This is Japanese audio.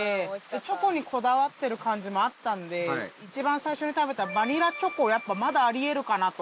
チョコにこだわってる感じもあったんで一番最初に食べたバニラチョコやっぱまだあり得るかなと。